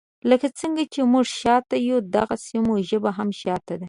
لکه څنګه چې موږ شاته یو داغسي مو ژبه هم شاته ده.